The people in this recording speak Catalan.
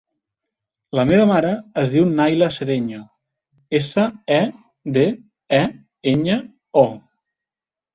La meva mare es diu Nayla Sedeño: essa, e, de, e, enya, o.